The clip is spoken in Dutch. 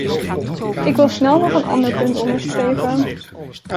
Ik wil snel nog een ander punt onderstrepen.